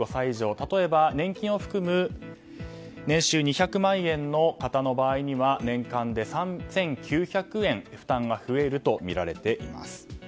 例えば年金を含む年収２００万円の方の場合には年間で３９００円負担が増えるとみられています。